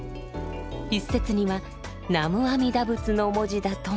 一説には南無阿弥陀仏の文字だとも。